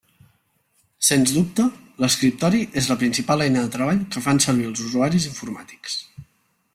Sens dubte, l'escriptori és la principal eina de treball que fan servir els usuaris informàtics.